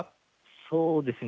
そうですね。